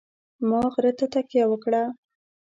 ما غره ته تکیه وکړه.